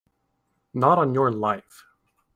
Not on your life!